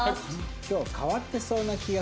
今日は変わってそうな気がするな。